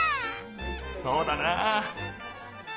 そうだなあ。